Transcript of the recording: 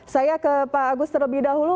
saya ke pak agus terlebih dahulu